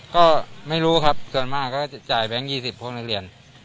ก็ไม่รู้ครับส่วนมากก็จะจ่ายแบงค์๒๐พวกนักเรียน